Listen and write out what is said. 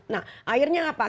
nah airnya apa